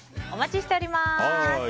お待ちしております。